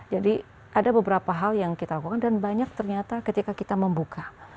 jadi ada beberapa hal yang kita lakukan dan banyak ternyata ketika kita membuka